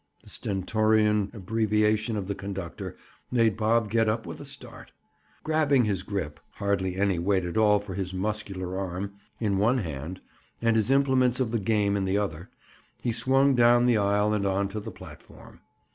The stentorian abbreviation of the conductor made Bob get up with a start. Grabbing his grip—hardly any weight at all for his muscular arm—in one hand, and his implements of the game in the other, he swung down the aisle and on to the platform.